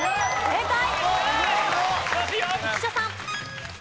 正解！